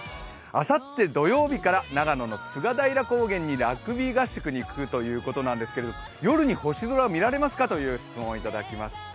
あさって土曜日から長野の菅平高原にラグビー合宿に行くということなんですけれども、夜に星空は見られますかという質問をいただきました。